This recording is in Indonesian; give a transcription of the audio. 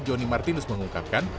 jonny martinus mengungkapkan